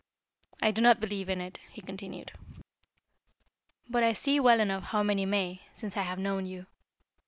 "I do not believe in it," he continued. "But I see well enough how men may, since I have known you.